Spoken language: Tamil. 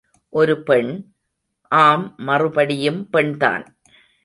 ஒரு பெண், ஆம் மறுபடியும் பெண் தான்.